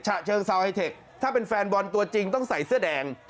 ฉะเชิงเซาไฮเทคถ้าเป็นแฟนบอลตัวจริงต้องใส่เสื้อแดง